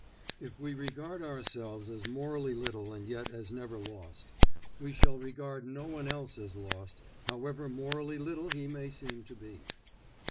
If we regard ourselves as morally little and yet as never lost, we shall regard no one else as lost, however morally little he may seem to be.